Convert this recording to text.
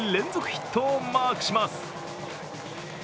ヒットをマークします。